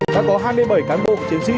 đã có hai mươi bảy cán bộ chiến sĩ